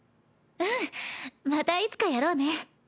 またいつかやろうね。